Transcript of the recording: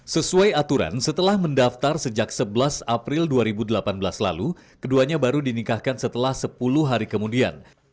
sesuai aturan setelah mendaftar sejak sebelas april dua ribu delapan belas lalu keduanya baru dinikahkan setelah sepuluh hari kemudian